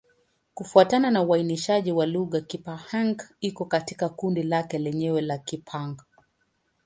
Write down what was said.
Kufuatana na uainishaji wa lugha, Kipa-Hng iko katika kundi lake lenyewe la Kipa-Hng.